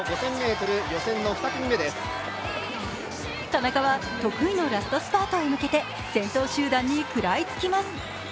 田中は得意のラストスパートへ向けて先頭集団に食らいつきます。